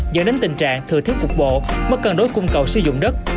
dẫn đến tình trạng thừa thiết quốc bộ mất cân đối cung cầu sử dụng đất